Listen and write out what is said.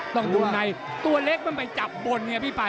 ต้องดูในตัวเล็กมันไปจับบนเนี่ยพี่ป่า